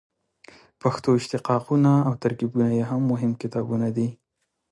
پښتو اشتقاقونه او ترکیبونه یې هم مهم کتابونه دي.